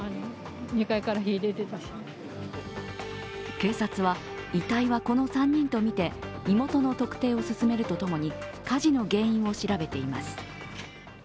警察は遺体はこの３人とみて身元の特定を進めるとともに、火事の原因を調べています。